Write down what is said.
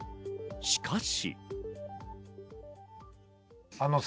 しかし。